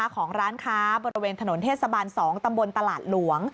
ของร้านค้าบริเวณถนนเทศบาล๒ตำบลตลาดหลวง